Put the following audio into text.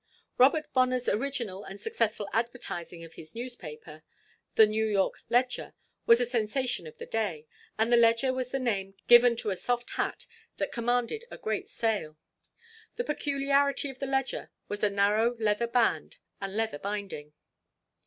Robert Bonner's original and successful advertising of his newspaper, the New York Ledger, was a sensation of the day, and the "Ledger" was the name given to a soft hat that commanded a great sale. The peculiarity of the "Ledger" was a narrow leather band and leather binding.